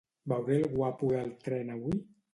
Veuré el guapo del tren avui?